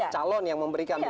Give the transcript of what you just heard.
calon yang memberikan